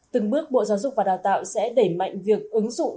từng bước bộ giáo dục và đào tạo sẽ đẩy mạnh việc ứng dụng